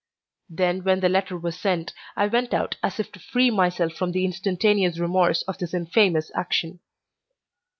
Then when the letter was sent I went out as if to free myself from the instantaneous remorse of this infamous action.